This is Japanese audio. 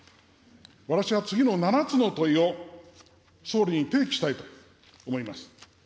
私は次の７つの問いを、総理に提起したいと思います。